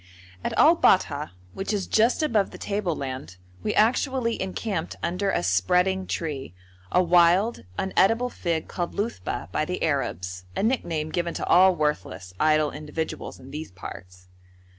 At Al Bat'ha, which is just above the tableland, we actually encamped under a spreading tree, a wild, unedible fig called luthba by the Arabs, a nickname given to all worthless, idle individuals in these parts.